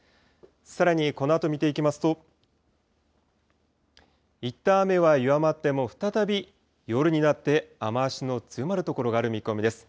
さらにこのあと見ていきますと、いったん雨は弱まっても、再び夜になって雨足の強まる所がある見込みです。